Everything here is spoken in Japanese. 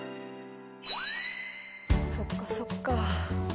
そっかそっか。